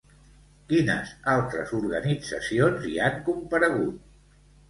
Quines altres organitzacions hi han comparegut?